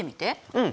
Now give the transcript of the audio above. うん。